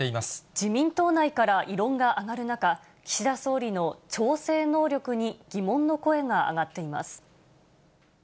自民党内から異論が上がる中、岸田総理の調整能力に疑問の声が上がっています。